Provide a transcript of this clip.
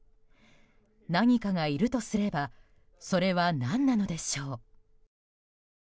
何かがいるとすればそれは何なのでしょう。